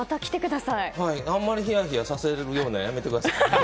あんまりひやひやさせるようなのはやめてください。